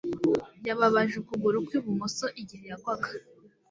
Yababaje ukuguru kwi bumoso igihe yagwaga